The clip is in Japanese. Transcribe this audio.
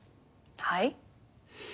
はい？